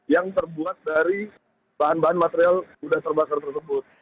yang terbuat dari bahan bahan material budaya serbasar tersebut